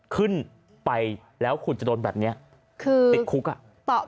ขึ้นไปแล้วคุณจะโดนแบบนี้ติดคุกอะ